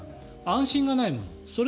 安心がないもん。